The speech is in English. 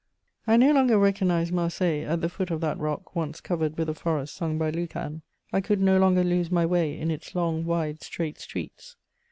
I no longer recognised Marseilles at the foot of that rock once covered with a forest sung by Lucan: I could no longer lose my way in its long, wide, straight streets.